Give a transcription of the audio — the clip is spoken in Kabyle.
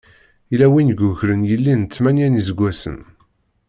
Yella win yukren yelli n tmanya n yiseggasen.